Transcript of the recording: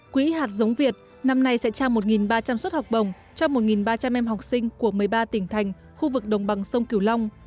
quỹ hạt giống việt năm nay sẽ trao một ba trăm linh suất học bổng cho một ba trăm linh em học sinh của một mươi ba tỉnh thành khu vực đồng bằng sông kiều long